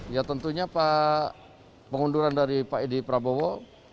ya tentunya pak pengunduran dari pak edi prabowo